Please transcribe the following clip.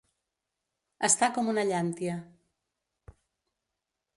Estar com una llàntia.